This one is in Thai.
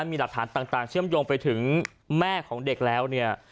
มีหลักฐานต่างเชื่อมโยงไปถึงแม่ของเด็กแล้วเนี่ย